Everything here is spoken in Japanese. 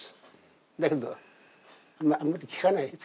だけどあんまり効かないですけど。